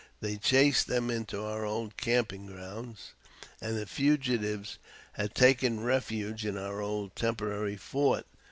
They chased them into our old camping ground, and the fugitives had taken refuge in our old temporary fort.